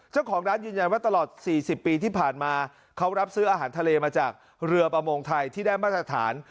เจ้าของร้านยืนยันว่าตลอด๔๐ปีที่ผ่านมาเขารับซื้ออาหารทะเลมาจากเรือประมงไทยที่ได้มาตรฐาน